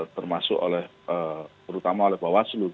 termasuk oleh terutama oleh bawah selu